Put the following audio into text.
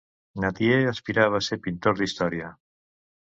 Nattier aspirava a ser pintor d'història.